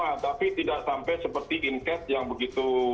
sama tapi tidak sampai seperti inkas yang begitu